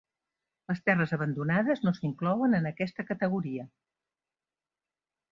Les terres abandonades no s'inclouen en aquesta categoria.